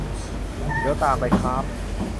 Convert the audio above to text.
เดี๋ยวตามไปค้าบ !